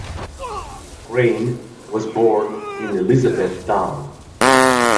Crane was born in Elizabethtown.